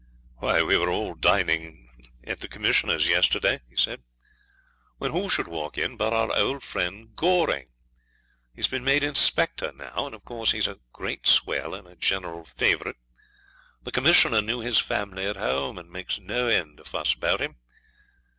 'Why, we were all dining at the Commissioner's yesterday,' he said, 'when who should walk in but our old friend Goring. He's been made inspector now; and, of course, he's a great swell and a general favourite. The Commissioner knew his family at home, and makes no end of fuss about him.